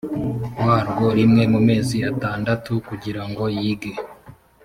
warwo rimwe mu mezi atandatu kugira ngo yige